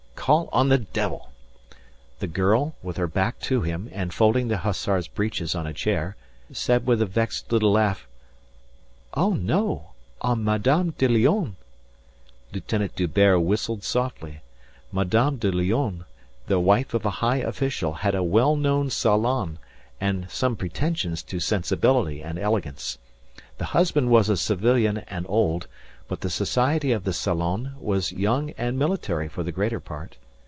"Call on the devil." The girl, with her back to him and folding the hussar's breeches on a chair, said with a vexed little laugh: "Oh, no! On Madame de Lionne." Lieutenant D'Hubert whistled softly. Madame de Lionne, the wife of a high official, had a well known salon and some pretensions to sensibility and elegance. The husband was a civilian and old, but the society of the salon was young and military for the greater part.